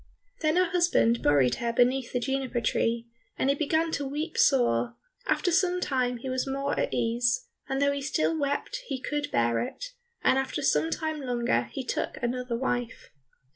Then her husband buried her beneath the juniper tree, and he began to weep sore; after some time he was more at ease, and though he still wept he could bear it, and after some time longer he took another wife.